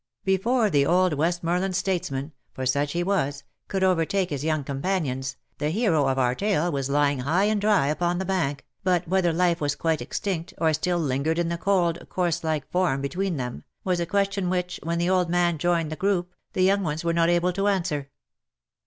Before the old Westmorland statesman (for such he was) could overtake his young companions, the hero of our tale was lying high and dry upon the bank, but whether life was quite extinct, or still lingered in the cold, corse like form before them, was a question which, when the old man joined the group, the young ones were not able to answer.